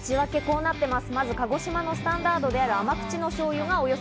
内訳、こうなっています。